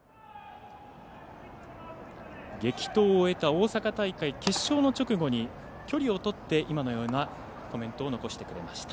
激闘を終えた大阪大会決勝の直後に距離をとって今のようなコメントを残してくれました。